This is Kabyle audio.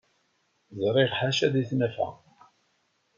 Ẓriɣ ḥaca di tnafa.